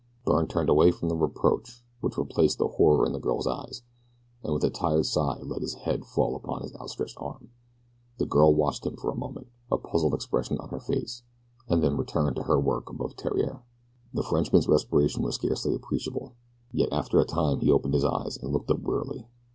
Byrne turned away from the reproach which replaced the horror in the girl's eyes, and with a tired sigh let his head fall upon his outstretched arm. The girl watched him for a moment, a puzzled expression upon her face, and then returned to work above Theriere. The Frenchman's respiration was scarcely appreciable, yet after a time he opened his eyes and looked up wearily.